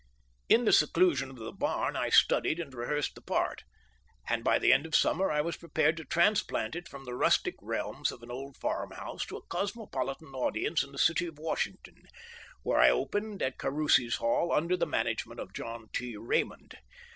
In the seclusion of the barn I studied and rehearsed the part, and by the end of summer I was prepared to transplant it from the rustic realms of an old farmhouse to a cosmopolitan audience in the city of Washington, where I opened at Carusi's Hall under the management of John T. Raymond.